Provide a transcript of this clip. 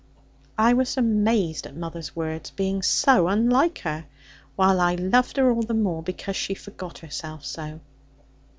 I was amazed at mother's words, being so unlike her; while I loved her all the more because she forgot herself so.